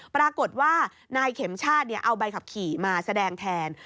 ปรากฏว่านายเข็มชาติเอาใบขับขี่มาแสดงแทน